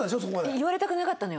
言われたくなかったのよ